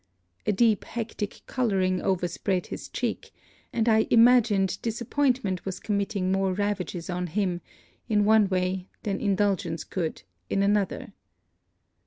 A deep hectic colouring overspread his cheek; and I imagined disappointment was committing more ravages on him, in one way, than indulgence could, in another.